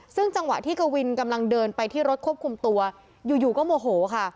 ซึ่งจังหวะที่กวินกำลังเดินไปที่รถควบคุมตัวอยู่ก็โมโหค่ะ